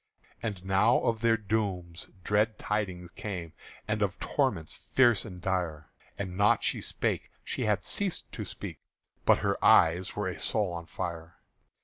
And now of their dooms dread tidings came, And of torments fierce and dire; And naught she spake she had ceased to speak But her eyes were a soul on fire.